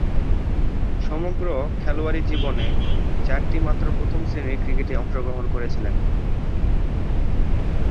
সমগ্র খেলোয়াড়ী জীবনে চারটিমাত্র প্রথম-শ্রেণীর ক্রিকেটে অংশগ্রহণ করেছিলেন।